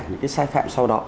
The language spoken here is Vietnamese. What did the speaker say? những cái sai phạm sau đó